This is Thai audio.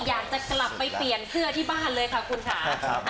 อยากจะกลับไปเปลี่ยนเสื้อที่บ้านเลยค่ะคุณค่ะ